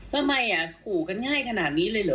ทำไมขู่กันง่ายขนาดนี้เลยเหรอ